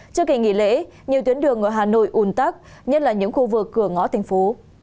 trước kỳ nghỉ lễ nhiều tuyến đường ở hà nội ùn tắc nhất là những khu vực cửa ngõ thành phố